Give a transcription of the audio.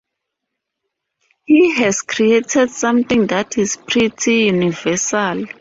He has created something that is pretty universal.